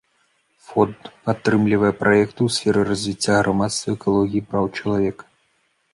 Фонд падтрымлівае праекты ў сферы развіцця грамадства, экалогіі, праў чалавека.